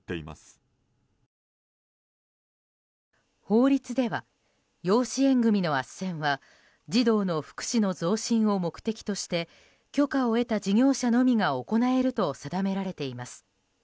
法律では養子縁組のあっせんは児童の福祉の増進を目的として許可を得た事業者のみが行えると定められています。